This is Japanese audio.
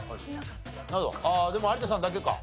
でも有田さんだけか。